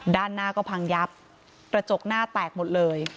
ด้านหน้าก็พังยับกระจกหน้าแตกหมดเลย